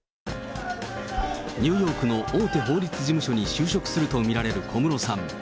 ニューヨークの大手法律事務所に就職すると見られる小室さん。